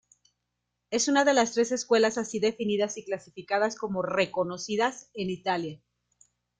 Es una de las tres escuelas así definidas y clasificadas como "reconocidas" en Italia.